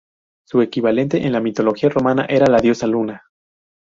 Su equivalente en la mitología romana era la diosa Luna.